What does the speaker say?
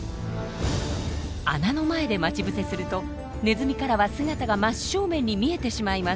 穴の前で待ち伏せするとネズミからは姿が真っ正面に見えてしまいます。